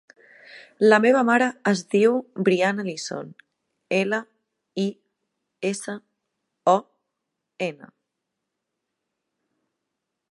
La meva mare es diu Brianna Lison: ela, i, essa, o, ena.